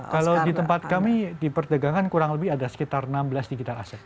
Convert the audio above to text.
kalau di tempat kami di perdagangan kurang lebih ada sekitar enam belas digital asset